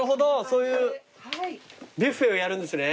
そういうビュッフェをやるんですね。